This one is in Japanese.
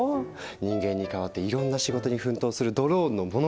人間に代わっていろんな仕事に奮闘するドローンの物語。